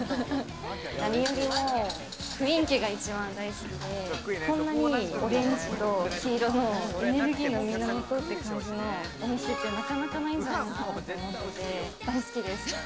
何よりも雰囲気が一番大好きで、こんなにオレンジと黄色のエネルギーの源って感じのお店って、なかなかないんじゃないかって思うので大好きです。